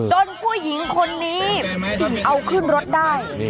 ผู้หญิงคนนี้เอาขึ้นรถได้